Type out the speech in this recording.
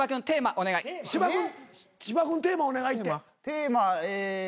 テーマえ